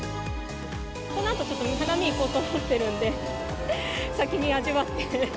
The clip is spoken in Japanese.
このあとちょっと花見行こうと思ってるんで、先に味わって。